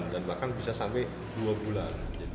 dan bahkan bisa sampai dua bulan